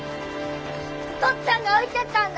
おとっつぁんが置いてったんだ！